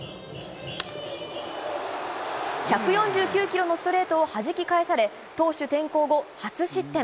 １４９キロのストレートをはじき返され、投手転向後、初失点。